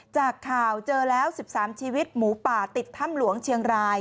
จากข่าวเจอแล้ว๑๓ชีวิตหมูป่าติดถ้ำหลวงเชียงราย